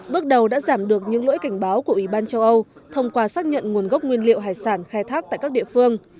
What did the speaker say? bước đầu đã giảm được những lỗi cảnh báo của ủy ban châu âu thông qua xác nhận nguồn gốc nguyên liệu hải sản khai thác tại các địa phương